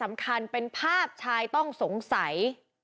สำคัญเป็นภาพชายต้องสงสัย